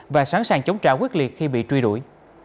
và sẵn sàng chống trả quyết liệt khi bị truy đuổi